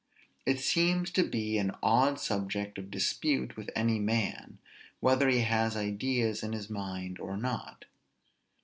It seems to be an odd subject of dispute with any man, whether he has ideas in his mind or not.